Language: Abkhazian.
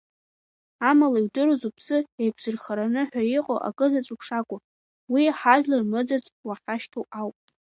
Амала иудыруаз уԥсы еиқәзырхараны ҳәа иҟоу акызаҵәык шакәу, уи ҳажәлар мыӡырц уахьашьҭоу ауп.